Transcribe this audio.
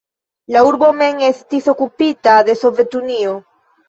La urbo mem estis okupita de Sovetunio.